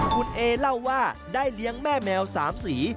คุณเอเล่าว่าได้เลี้ยงแม่แมว๓สี